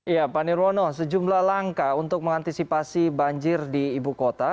ya pak nirwono sejumlah langkah untuk mengantisipasi banjir di ibu kota